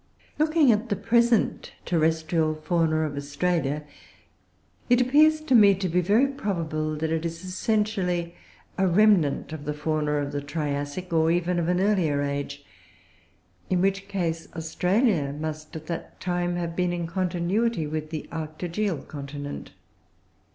Looking at the present terrestrial fauna of Australia, it appears to me to be very probable that it is essentially a remnant of the fauna of the Triassic, or even of an earlier, age in which case Australia must at that time have been in continuity with the Arctogaeal continent.